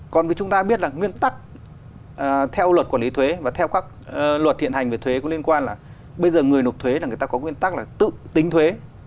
còn với chúng ta biết là nguyên tắc theo luật quản lý thuế và theo các luật hiện hành về thuế có liên quan là bây giờ người nộp thuế là người ta có nguyên tắc là tự tính thuế